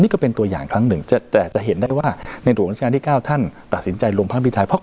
นี่ก็เป็นตัวอย่างครั้งหนึ่งแต่จะเห็นได้ว่าในหลวงราชการที่๙ท่านตัดสินใจลงพระพิไทยเพราะ